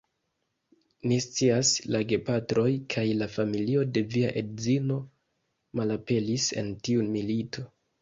Ni scias, la gepatroj kaj la familio de via edzino malaperis en tiu milito.